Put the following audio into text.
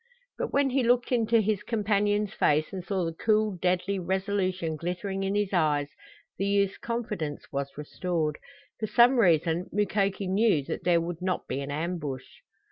But when he looked into his companion's face and saw the cool deadly resolution glittering in his eyes, the youth's confidence was restored. For some reason Mukoki knew that there would not be an ambush.